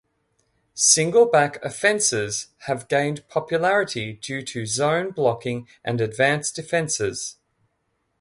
Single-back offenses have gained popularity due to zone blocking and advanced defenses.